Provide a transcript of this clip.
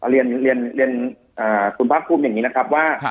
เรียนคุณภาคภูมิอย่างนี้นะครับว่า